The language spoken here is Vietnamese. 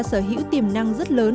sở hữu tiềm năng rất lớn